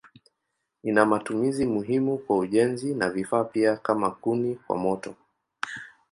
Ina matumizi muhimu kwa ujenzi na vifaa pia kama kuni kwa moto.